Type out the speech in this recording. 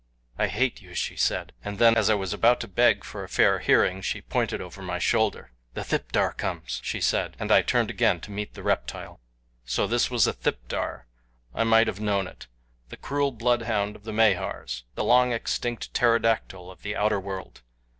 "I hate you," she said, and then, as I was about to beg for a fair hearing she pointed over my shoulder. "The thipdar comes," she said, and I turned again to meet the reptile. So this was a thipdar. I might have known it. The cruel bloodhound of the Mahars. The long extinct pterodactyl of the outer world.